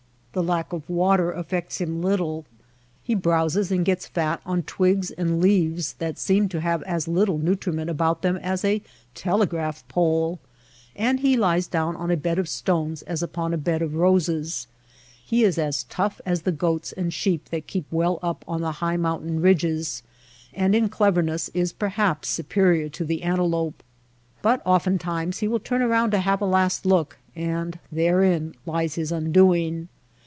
The lack of water affects him little. He browses DESEKT ANIMALS 167 and gets fat on twigs and leaves that seem to have as little nutriment about them as a tele graph pole ; and he lies down on a bed of stones as upon a bed of roses. He is as tough as the goats and sheep that keep well up on the high mountain ridges ; and in cleverness is per haps superior to the antelope. But oftentimes he will turn around to have a last look, and therein lies his undoing.